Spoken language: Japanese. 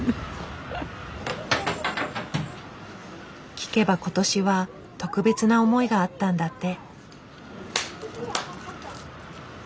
聞けば今年は特別な思いがあったんだって。